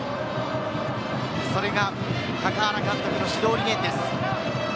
それが高原監督の指導理念です。